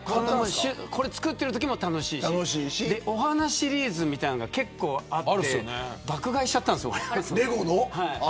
作ってるときも楽しいしお花シリーズみたいなのが結構あって爆買いしちゃったんですよ。